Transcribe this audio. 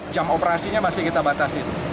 jam operasinya masih kita batasin